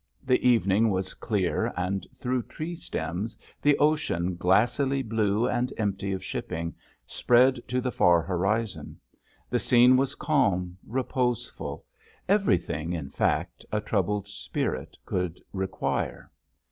The evening was clear, and through tree stems the ocean, glassily blue and empty of shipping, spread to the far horizon. The scene was calm, reposeful—everything, in fact, a troubled spirit could require.